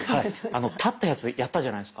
立ったやつやったじゃないですか？